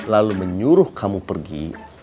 lalu menyuruh kamu pergi